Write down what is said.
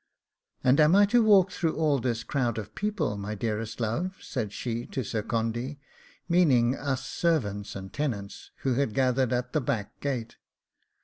'And am I to walk through all this crowd of people, my dearest love?' said she to Sir Condy, meaning us servants and tenants, who had gathered at the back gate.